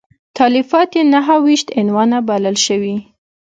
تالیفات یې نهه ویشت عنوانه بلل شوي.